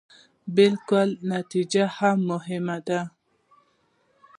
بلکې نتيجه يې هم مهمه ده.